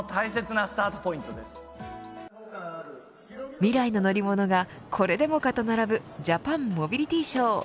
未来の乗り物がこれでもかと並ぶジャパンモビリティショー。